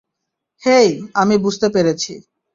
হেই, আমি বুঝতে পেরেছি।